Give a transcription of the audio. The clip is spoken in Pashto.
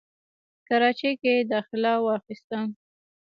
کراچۍ کښې داخله واخسته،